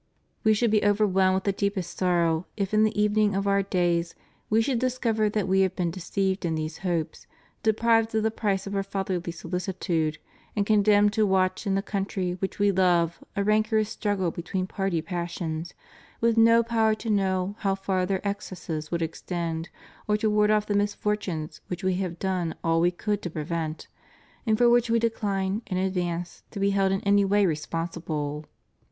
We should be overwhelmed with the deepest sorrow if, in the evening of Our days, We should discover that We had been deceived in these hopes, deprived of the price of Our fatherly solicitude, and condemned to watch in the country which We love a rancorous struggle between party passions, with no power to know how far their excesses would extend or to ward off the misfortunes which We have done all We could to prevent, and for which We decline, in advance, to be held in any way responsible.